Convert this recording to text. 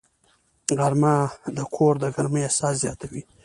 غرمه د کور د ګرمۍ احساس زیاتوي